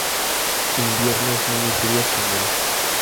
Inviernos no muy fríos y húmedos.